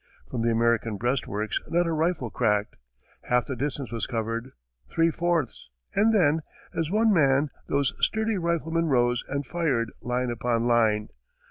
From the American breastworks not a rifle cracked. Half the distance was covered, three fourths; and then, as one man, those sturdy riflemen rose and fired, line upon line.